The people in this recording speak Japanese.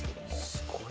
すごいね。